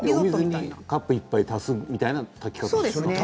カップ１杯足すみたいな炊き方ですか？